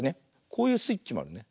こういうスイッチもあるね。